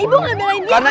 ibu gak belain dia